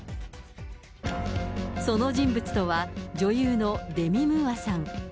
その人物とは、女優のデミ・ムーアさん。